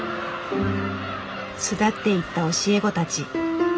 巣立っていった教え子たち。